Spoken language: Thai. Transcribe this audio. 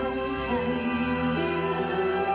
มองของคนเดียว